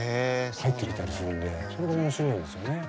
入ってきたりするんでそれが面白いんですよね。